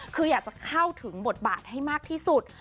คืออยากจะเข้าถึงบทบาทให้มากที่สุด